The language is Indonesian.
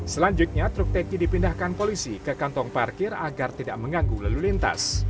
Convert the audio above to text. selanjutnya truk tanki dipindahkan polisi ke kantong parkir agar tidak mengganggu lalu lintas